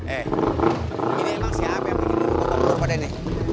eh ini emang siapa yang bikin kita berputar putar pada ini